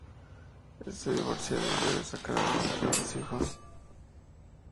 Está divorciada y debe sacar adelante a dos hijos.